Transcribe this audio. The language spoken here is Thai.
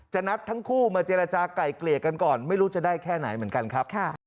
นัดทั้งคู่มาเจรจากลายเกลี่ยกันก่อนไม่รู้จะได้แค่ไหนเหมือนกันครับ